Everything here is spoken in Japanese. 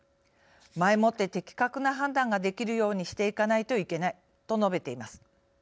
前もって的確な判断ができるようにしていかないといけない。」と述べています。